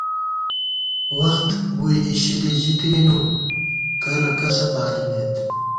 وخت ووئی اِشِلی ژِتِنی نُن، کرہ کسہ بالِمېت